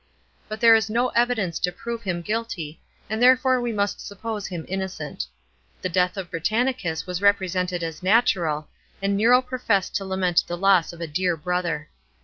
But there is no evidence to prove him guilty, and therefore we must suppose him innocent. The death of Britannicus was represented as natural, and Nero professed to lament the loss of a dear brother.